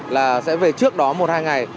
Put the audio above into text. là sẽ về trước đó một hai ngày